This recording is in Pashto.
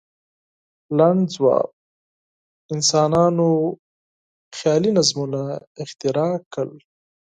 لنډ ځواب: انسانانو خیالي نظمونه اختراع کړل.